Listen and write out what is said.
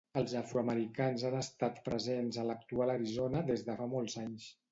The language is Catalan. Els afroamericans han estat presents a l'actual Arizona des de fa molts anys.